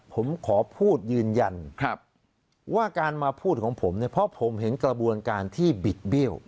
ผมขอพูดยืนยันว่าการมาพูดของผมเนี่ยเพราะผมเห็นกระบวนการที่บิดเบี้ยว